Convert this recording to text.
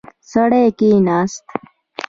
سړی کښیناست.